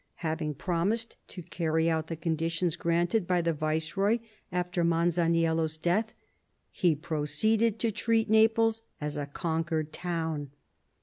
Having promised to carry out the conditions granted by the viceroy after Masaniello's death, he proceeded to treat Naples as a conquered town.